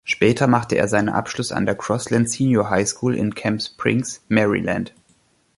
Später machte er seinen Abschluss an der Crossland Senior High School in Camp Springs, Maryland.